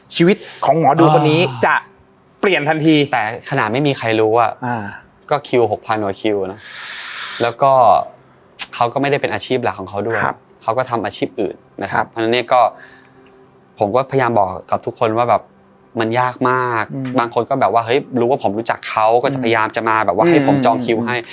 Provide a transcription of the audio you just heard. ชีวิตของหมอดูคนนี้จะเปลี่ยนทันทีแต่ขนาดไม่มีใครรู้อ่ะก็คิวหกพันกว่าคิวนะแล้วก็เขาก็ไม่ได้เป็นอาชีพหลักของเขาด้วยเขาก็ทำอาชีพอื่นนะครับเพราะฉะนั้นเนี่ยก็ผมก็พยายามบอกกับทุกคนว่าแบบมันยากมากบางคนก็แบบว่าเฮ้ยรู้ว่าผมรู้จักเขาก็จะพยายามจะมาแบบว่าให้ผมจองคิวให้